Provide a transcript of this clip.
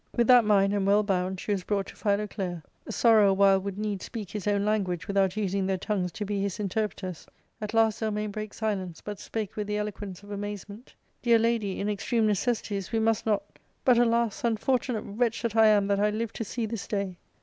With that mind, and well bound, she was brought to Phi loclea. Sorrow a while would needs speak his own language without using their tongues to be his interpreters. At last Zel mane brake silence, but spake with the eloquence of amaze ment " Dear lady, in extreme necessities we must not But alas ! unfortunate wretch that I am that I live to see this day